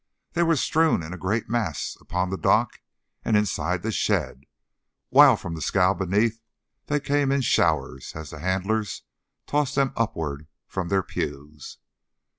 They were strewn in a great mass upon the dock and inside the shed, while from the scow beneath they came in showers as the handlers tossed them upward from their pues.